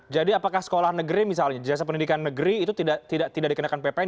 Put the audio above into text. jadi apakah sekolah negeri misalnya jasa pendidikan negeri itu tidak dikenakan ppn